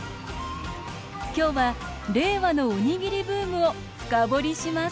今日は令和のおにぎりブームを深掘りします